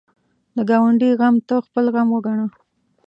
د ګاونډي غم ته خپل غم وګڼه